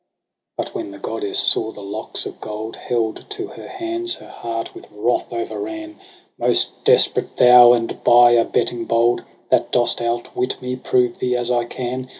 But when the goddess saw the locks of gold Held to her hands, her heart with wrath o'erran :' Most desperate thou, and by abetting bold, That dost outwit me, prove thee as I can.